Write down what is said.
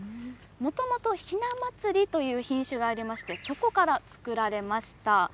もともとひな祭りという品種がありまして、そこから作られました。